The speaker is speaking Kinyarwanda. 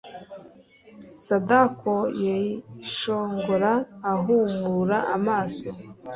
sadako yishongora ahumura amaso